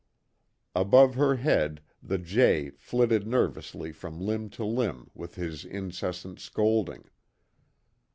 Above her head the jay flitted nervously from limb to limb with his incessant scolding.